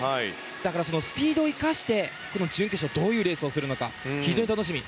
だから、スピードを生かして準決勝でどういうレースをするか非常に楽しみ。